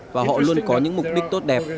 và họ luôn có những mục đích tốt đẹp